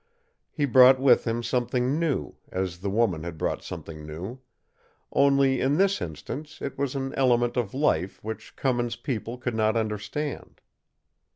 He brought with him something new, as the woman had brought something new; only in this instance it was an element of life which Cummins' people could not understand.